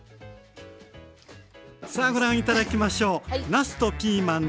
さあご覧頂きましょう。